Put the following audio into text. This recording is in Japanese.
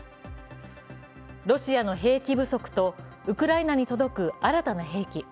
ロシアの兵器不足とウクライナに届く新たな兵器。